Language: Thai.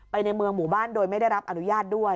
ในเมืองหมู่บ้านโดยไม่ได้รับอนุญาตด้วย